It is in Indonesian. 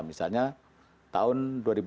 misalnya tahun dua ribu dua puluh dua